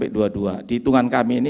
dihitungan kami ini